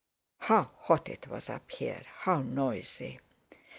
How hot it was up here!—how noisy!